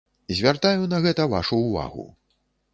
Звяртаю на гэта вашу увагу.